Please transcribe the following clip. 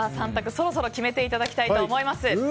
３択、そろそろ決めていただきたいと思います。